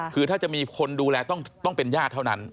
คือถ้าจะมีคนดูแลต้องเป็นญาติเท่านั้น